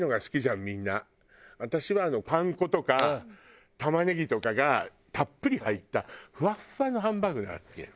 私はパン粉とか玉ねぎとかがたっぷり入ったふわっふわのハンバーグなら好きなの。